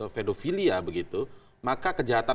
pedofilia begitu maka kejahatan